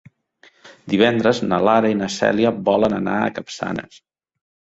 Divendres na Lara i na Cèlia volen anar a Capçanes.